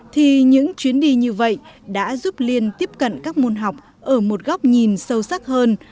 thì những chuyến đi như vậy đã giúp liên tiếp cận các môn học ở một góc nhìn sâu sắc hơn